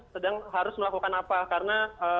sedang harus melakukan apa karena